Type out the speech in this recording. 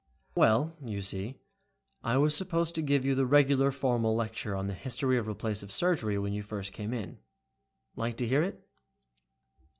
"Well, you see I was supposed to give you the regular formal lecture on the history of replacive surgery when you first came in. Like to hear it?"